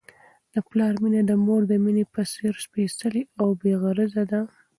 د پلار مینه د مور د مینې په څېر سپیڅلې او بې غرضه ده.